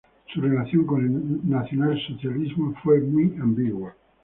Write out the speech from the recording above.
Su relación con el nacionalsocialismo fue muy ambigua.